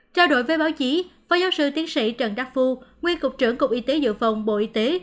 trao đổi với báo chí phó giáo sư tiến sĩ trần đắc phu nguyên cục trưởng cục y tế dự phòng bộ y tế